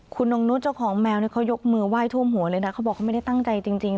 คุณนงนุษย์เจ้าของแมวเนี่ยเขายกมือไหว้ท่วมหัวเลยนะเขาบอกเขาไม่ได้ตั้งใจจริง